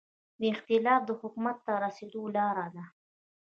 دا اختلاف د حکومت ته رسېدو لاره ده.